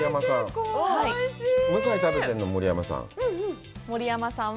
向井が食べてるのは、もり山さん。